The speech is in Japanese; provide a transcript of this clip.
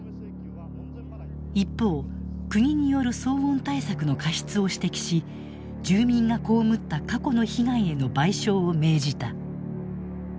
一方国による騒音対策の過失を指摘し住民が被った過去の被害への賠償を命じた。